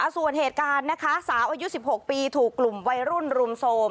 ส่วนเหตุการณ์นะคะสาวอายุ๑๖ปีถูกกลุ่มวัยรุ่นรุมโทรม